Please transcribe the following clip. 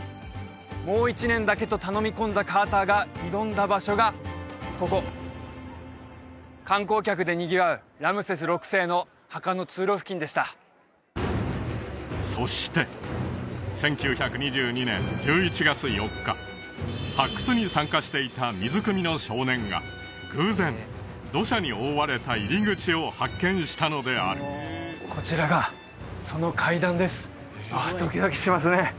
もう一年だけと頼み込んだカーターが挑んだ場所がここ観光客でにぎわうラメセス６世の墓の通路付近でしたそして１９２２年１１月４日発掘に参加していた水くみの少年が偶然土砂に覆われた入り口を発見したのであるこちらがその階段ですああドキドキしますね